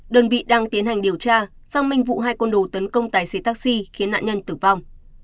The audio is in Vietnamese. đơn vị đang tiến hành điều tra xăng minh vụ hai con đồ tấn công tài xế taxi khiến nạn nhân tử vong